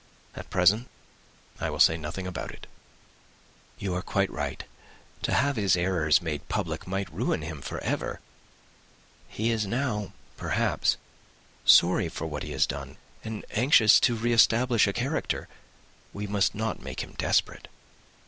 At present I will say nothing about it." "You are quite right. To have his errors made public might ruin him for ever. He is now, perhaps, sorry for what he has done, and anxious to re establish a character. We must not make him desperate."